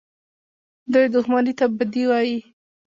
دوى دښمني ته بدي وايي.